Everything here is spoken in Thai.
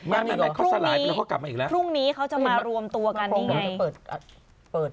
นั่นแหละเขาสลายไปแล้วเขากลับมาอีกแล้วพรุ่งนี้เขาจะมารวมตัวกันนี่ไง